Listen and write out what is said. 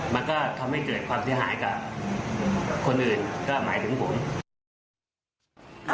มันก็ทำให้เกิดความเสียหายกับคนอื่นก็หมายถึงผม